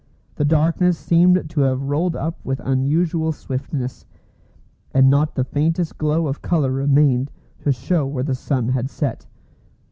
The darkness seemed to have rolled up with unusual swiftness, and not the faintest glow of colour remained to show where the sun had set.